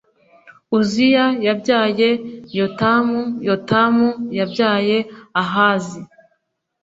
uziya yabyaye yotamu yotamu yabyaye ahazi